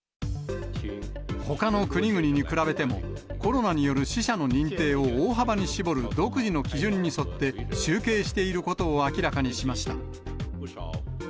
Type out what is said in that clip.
ほかの国々に比べても、コロナによる死者の認定を大幅に絞る独自の基準に沿って集計していることを明らかにしました。